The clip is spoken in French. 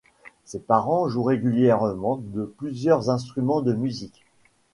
Ses parents jouent régulièrement de plusieurs instruments de musique.